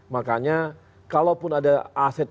makanya kalaupun ada aset